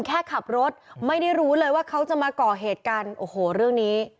แค่ขับรถไม่ได้รู้เลยว่าเขาจะมาก่อเหตุกันโอ้โหเรื่องนี้